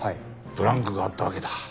ブランクがあったわけだ。